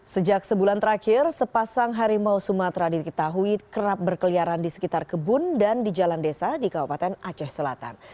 sejak sebulan terakhir sepasang harimau sumatera diketahui kerap berkeliaran di sekitar kebun dan di jalan desa di kabupaten aceh selatan